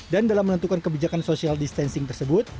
dan dalam menentukan kebijakan social distancing tersebut